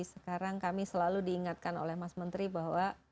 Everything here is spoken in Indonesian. sekarang kami selalu diingatkan oleh mas menteri bahwa